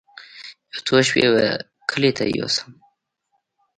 يو څو شپې به کلي ته يوسم.